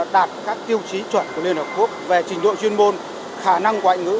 đạt các tiêu chí chuẩn của liên hợp quốc về trình độ chuyên môn khả năng ngoại ngữ